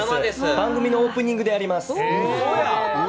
番組のオープニングでやりまうそやん。